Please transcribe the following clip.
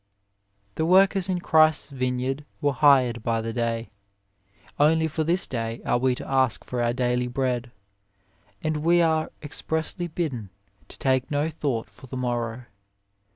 II The workers in Christ s vine yard were hired by the day; only for this day are we to ask 18 OF LIFE for our daily bread, and we are expressly bidden to take no thought for the morrow.